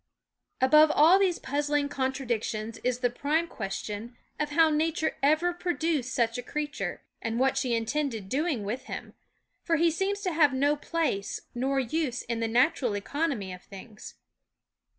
Above all these puzzling contradictions is the prime question of how Nature ever pro duced such a creature, and what she intended doing with him ; for he seems to have no place nor use in the natural economy of things.